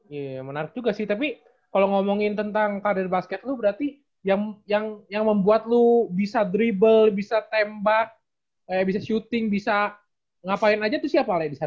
iya menarik juga sih tapi kalau ngomongin tentang karir basket lu berarti yang membuat lo bisa dribble bisa tembak bisa syuting bisa ngapain aja tuh siapa lah di sana